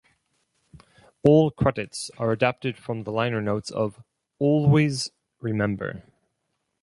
All credits are adapted from the liner notes of "Always Remember".